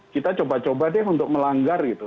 kita coba coba deh untuk melanggar gitu